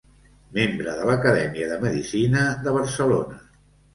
Membre de l'Acadèmia de Medicina de Barcelona.